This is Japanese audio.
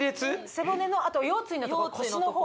背骨のあと腰椎のところ腰の方